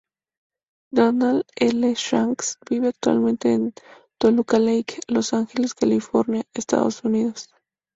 Donald L. Shanks vive actualmente en Toluca Lake, Los Ángeles, California, Estados Unidos.